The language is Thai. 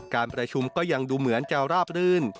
การประชุมก็ยังดูเหมือนจะราบรื่น